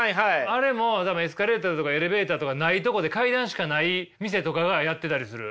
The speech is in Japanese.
あれも多分エスカレーターとかエレベーターとかないとこで階段しかない店とかがやってたりする。